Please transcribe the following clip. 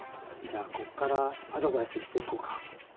じゃあこっからアドバイスしていこうか。